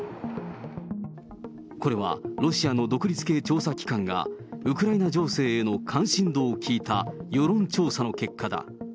これはロシアの独立系調査機関が、ウクライナ情勢への関心度を聞いた世論調査の結果だ。